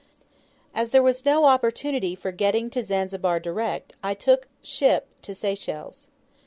As there was no opportunity of getting, to Zanzibar direct, I took ship to Seychelles.